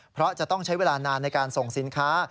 เพราะจะต้องใช้เวลานานในการส่งสินค้า